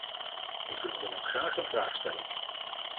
Ik wil u dan ook graag een vraag stellen.